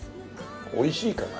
「おいしい」かな。